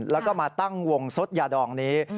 แล้วก็มาตั้งวงสดยาดองนี้